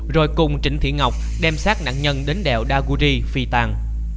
rồi cùng trịnh thị ngọc đem sát nạn nhân đến đèo đa guri phi tàn